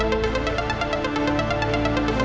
dia juga kelihatan nyara disitu